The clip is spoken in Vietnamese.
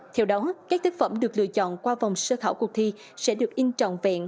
theo đó các tác phẩm được lựa chọn qua vòng sơ thảo cuộc thi sẽ được in tròn vẹn